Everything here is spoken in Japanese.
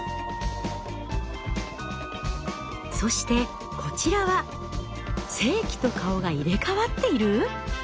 そしてこちらは性器と顔が入れ代わっている？